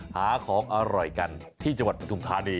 หาของอร่อยกันที่จังหวัดปฐุมธานี